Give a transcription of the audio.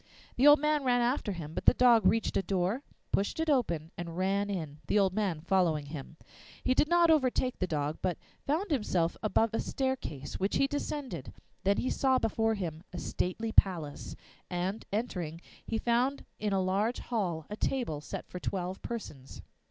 The old man ran after him, but the dog reached a door, pushed it open, and ran in, the old man following him. He did not overtake the dog, but found himself above a staircase, which he descended. Then he saw before him a stately palace, and, entering, he found in a large hall a table set for twelve persons.